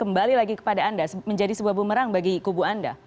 kembali lagi kepada anda menjadi sebuah bumerang bagi kubu anda